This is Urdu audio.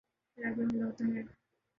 عراق پہ حملہ ہوتا ہے۔